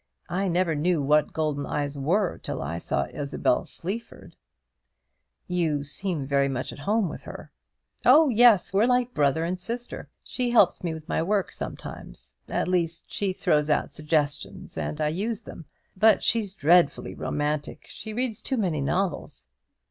I never knew what golden eyes were till I saw Isabel Sleaford." "You seem very much at home with her?" "Oh, yes; we're like brother and sister. She helps me with my work sometimes; at least she throws out suggestions, and I use them. But she's dreadfully romantic. She reads too many novels."